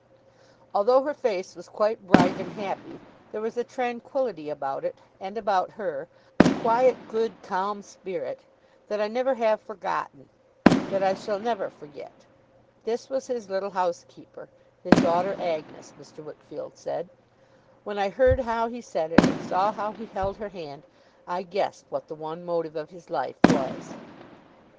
Although her face was quite bright and happy, there was a tranquillity about it, and about her a quiet, good, calm spirit that I never have forgotten; that I shall never forget. This was his little housekeeper, his daughter Agnes, Mr. Wickfield said. When I heard how he said it, and saw how he held her hand, I guessed what the one motive of his life was.